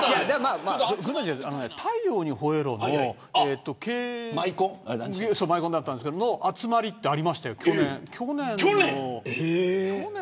太陽にほえろ！のマイコンだったんですけど集まりありましたよ、去年。